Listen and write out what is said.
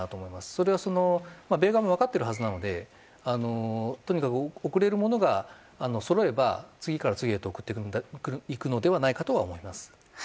それはアメリカ側も分かっているはずなのでとにかく送れるものがそろえば次から次へと送っていくのではないかと思います。